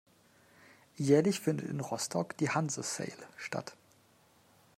Jährlich findet in Rostock die Hanse Sail statt.